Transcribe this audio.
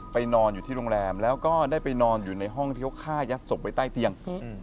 นอนอยู่ที่โรงแรมแล้วก็ได้ไปนอนอยู่ในห้องที่เขาฆ่ายัดศพไว้ใต้เตียง